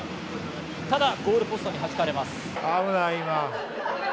ただゴールポストにはじかれます。